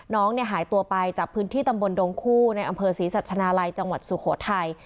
น้องหายตัวไปจากพื้นที่ตำบลดงคู่ในอำเภอศรีสัชนาลัยจังหวัดสุโขทัย